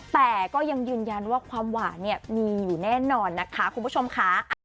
แต่ก็ยังยืนยันว่าความหวานเนี่ยมีอยู่แน่นอนนะคะคุณผู้ชมค่ะ